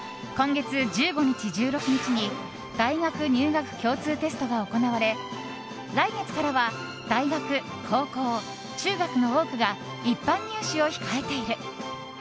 今月１５日、１６日に大学入学共通テストが行われ来月からは大学、高校、中学の多くが一般入試を控えている。